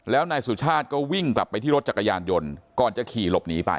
แล้วนายสุชาติก็วิ่งกลับไปที่รถจักรยานยนต์ก่อนจะขี่หลบหนีไป